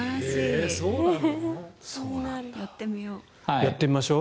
やってみよう。